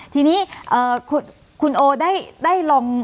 ทีนี้คุณโอได้ลอง